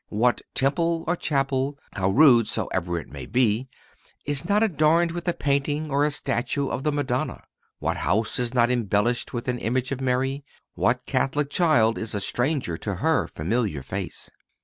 What temple or chapel, how rude soever it may be, is not adorned with a painting or a statue of the Madonna? What house is not embellished with an image of Mary? What Catholic child is a stranger to her familiar face?